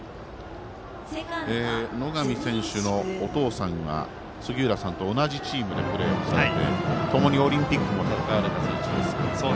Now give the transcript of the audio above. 野上選手のお父さんは杉浦さんと同じチームでプレーをされてともにオリンピックも戦われた選手ですが。